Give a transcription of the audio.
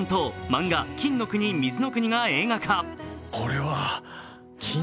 漫画「金の国水の国」が映画化。